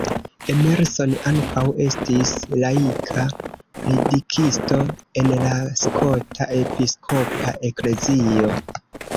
Emerson ankaŭ estis laika predikisto en la Skota Episkopa Eklezio.